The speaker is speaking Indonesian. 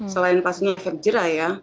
selain pasnya efek jerah ya